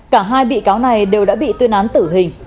cả hai bị cáo này đều đã bị tuyên án tử hình